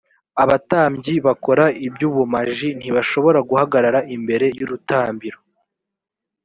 abatambyi bakora iby’ ubumaji ntibashobora guhagarara imbere y’urutambiro